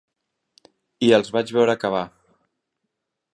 I els vaig veure acabar.